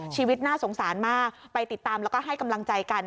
ชีวิตน่าสงสารมากไปติดตามแล้วก็ให้กำลังใจกัน